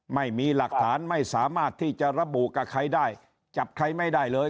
ไม่มีหลักฐานไม่สามารถที่จะระบุกับใครได้จับใครไม่ได้เลย